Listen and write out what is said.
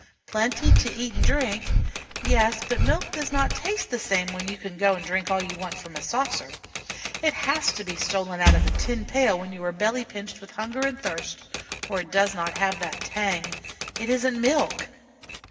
Plenty to eat and drink yes, but milk does not taste the same when you can go and drink all you want from a saucer; it has to be stolen out of a tin pail when you are belly pinched with hunger and thirst, or it does not have the tang it isn't milk.